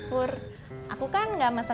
pokoknya di mereka